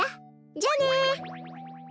じゃあね。